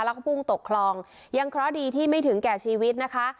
แล้วก็พุ่งตกคลองยังเคราะห์ดีที่ไม่ถึงแก่ชีวิตนะคะ